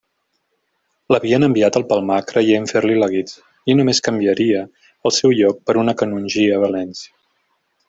L'havien enviat al Palmar creient fer-li la guitza, i només canviaria el seu lloc per una canongia a València.